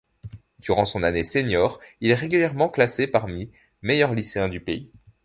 Durant son année sénior, il est régulièrement classé parmi meilleurs lycéens du pays.